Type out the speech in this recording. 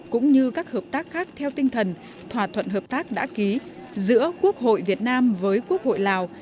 cũng như các hợp tác khác theo tinh thần thỏa thuận hợp tác đã ký giữa quốc hội việt nam với quốc hội lào